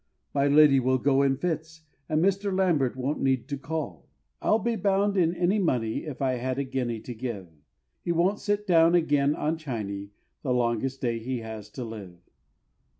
My lady will go in fits, and Mr. Lambert won't need to call; I'll be bound in any money, if I had a guinea to give, He won't sit down again on Chiney the longest day he has to live.